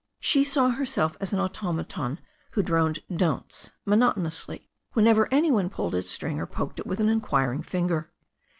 She saw herself as an automaton who droned "don'ts" monotonously whenever any one pulled its string or poked it with an inquiring finger.